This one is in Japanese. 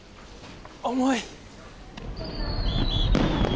重い。